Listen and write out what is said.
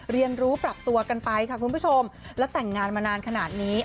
เรียนรู้ปรับตัวกันไปค่ะคุณผู้ชมและแต่งงานมานานขนาดนี้